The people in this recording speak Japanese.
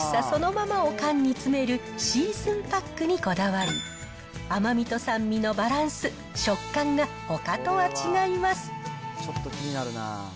そのままを缶に詰める、シーズンパックにこだわり、甘みと酸味のバランス、食感がほかとは違います。